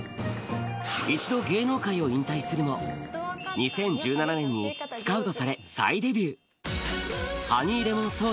一度芸能界を引退するも、２０１７年にスカウトされ、再デビュー。